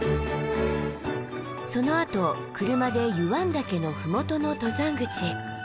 そのあと車で湯湾岳の麓の登山口へ。